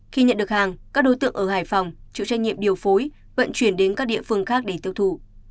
khi nhận được hàng các đối tượng ở hải phòng chịu trách nhiệm điều phối vận chuyển đến các địa phương khác để tiêu thụ